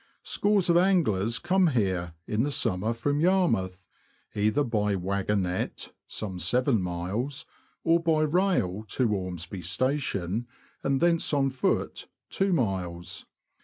Scores of anglers come here, in the summer, from Yarmouth, either by waggonette (some seven miles), or by rail to Ormsby Station, and thence on foot (two miles.)